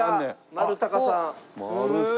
まるたかさん。